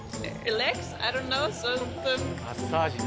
マッサージね。